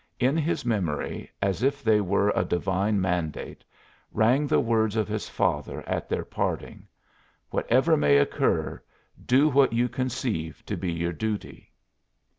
In his memory, as if they were a divine mandate, rang the words of his father at their parting: "Whatever may occur, do what you conceive to be your duty."